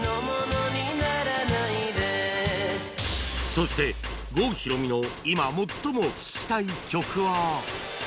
そして郷ひろみの今最も聴きたい曲は